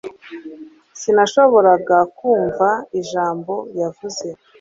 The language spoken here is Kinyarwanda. Sinashoboraga kumva ijambo yavuze